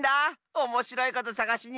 おもしろいことさがしにいくの。